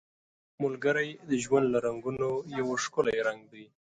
ملګری د ژوند له رنګونو یو ښکلی رنګ دی